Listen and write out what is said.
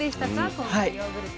今回ヨーグルト。